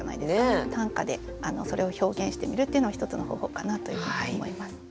短歌でそれを表現してみるっていうのは一つの方法かなというふうに思います。